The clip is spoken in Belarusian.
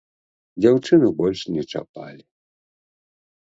Дзяўчыну больш не чапалі.